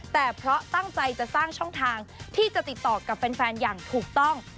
แต่เพราะตั้งใจจะสร้างช่องทางที่จะติดต่อกับแฟนอย่างถูกต้อง